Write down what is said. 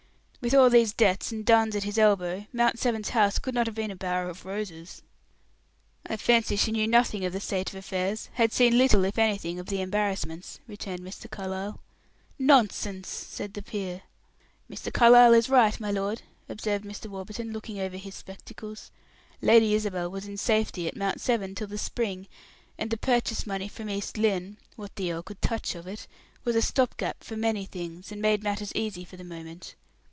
With all these debts and duns at his elbow, Mount Severn's house could not have been a bower of roses." "I fancy she knew nothing of the state of affairs; had seen little, if anything, of the embarrassments," returned Mr. Carlyle. "Nonsense!" said the peer. "Mr. Carlyle is right, my lord," observed Mr. Warburton, looking over his spectacles. "Lady Isabel was in safety at Mount Severn till the spring, and the purchase money from East Lynne what the earl could touch of it was a stop gap for many things, and made matters easy for the moment.